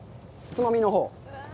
つまみのほう。